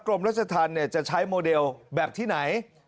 กรมรัชธรรมจะใช้โมเดลแบบที่ไหน